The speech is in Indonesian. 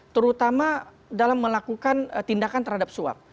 terutama dalam melakukan tindakan terhadap suap